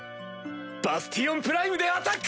バスティオン・プライムでアタック！